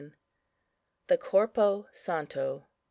THE CORPO SANTO.